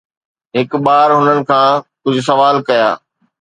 هڪ ٻار هنن کان ڪجهه سوال ڪيا